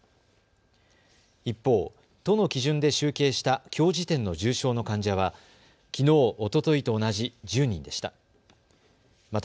一方、都の基準で集計したきょう時点の重症の患者はきのう、おとといと同じ１０人でした。